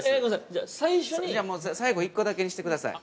◆じゃあ、もう最後１個だけにしてください。